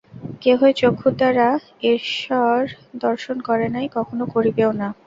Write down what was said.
কেহই চক্ষুর দ্বারা ঈশ্বর দর্শন করে নাই, কখনও করিবেও না।